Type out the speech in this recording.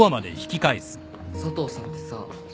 佐藤さんってさシフト